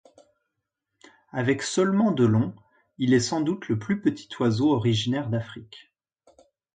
Avec seulement de long, il est sans-doute le plus petit oiseau originaire d'Afrique.